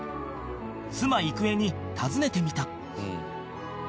妻郁恵に尋ねてみた